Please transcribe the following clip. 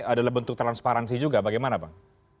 adalah bentuk transparansi juga bagaimana bang